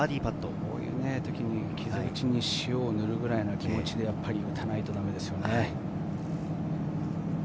こういう時に傷口に塩を塗るくらいの気持ちでいかないとダメですよね。